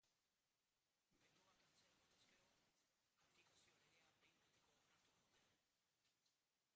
Betoak atzera botaz gero, abdikazio legea behin betiko onartuko dute.